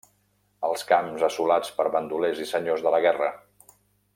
Els camps assolats per bandolers i senyors de la guerra.